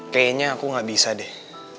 kayaknya aku gak bisa deh